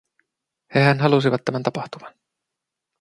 Hehän halusivat tämän tapahtuvan.